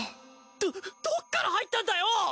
どどっから入ったんだよ！